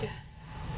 aku mau berit dulu